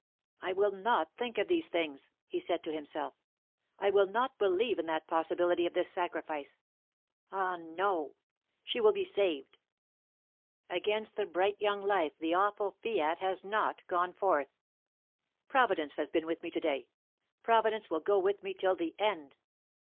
"I will not think of these things," he said to himself; "I will not believe in that possibility of this sacrifice. Ah, no! she will be saved. Against the bright young life the awful fiat has not gone forth. Providence has been with me to day. Providence will go with me till the end."